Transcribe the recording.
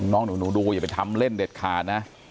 น้องหนูดูอย่าไปทำเล่นเด็ดขาดนะ